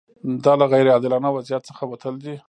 دا له غیر عادلانه وضعیت څخه وتل دي.